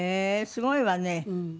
すごいわね。